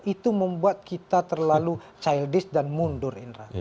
itu membuat kita terlalu childies dan mundur indra